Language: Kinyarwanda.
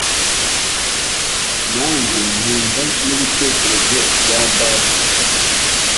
nange nkumva n’ibitekerezo bya data.